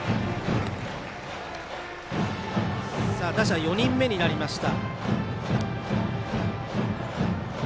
打者４人目になりました。